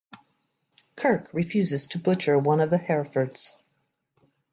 Kirk refuses to butcher one of the Herefords.